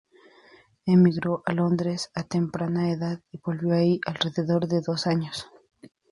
Emigró a Londres a temprana edad y vivió ahí alrededor de dos años.